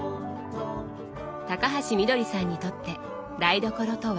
高橋みどりさんにとって台所とは？